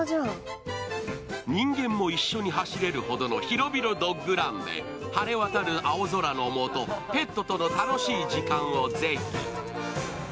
人間も一緒に走れるほどの広々ドッグランで晴れ渡る青空のもとペットとの楽しい時間をぜひ。